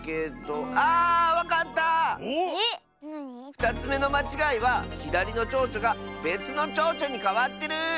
２つめのまちがいはひだりのちょうちょがべつのちょうちょにかわってる！